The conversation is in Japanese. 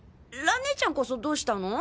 蘭ねえちゃんこそどうしたの？